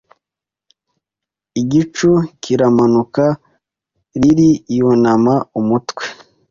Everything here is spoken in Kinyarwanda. Igicu kiramanuka Lily yunama umutwe